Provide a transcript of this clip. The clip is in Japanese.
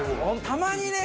たまにね。